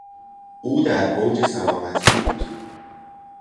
او در اوج سلامتی بود.